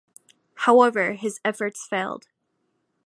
However, his efforts failed.